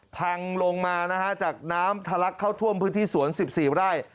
พังลงมานะฮะจากน้ำทะลักเข้าท่วมพื้นที่สวน๑๔ไร่